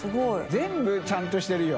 全部ちゃんとしてるよ。